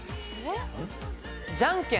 じゃんけん？